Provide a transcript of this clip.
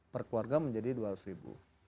per keluarga menjadi dua ratus ribu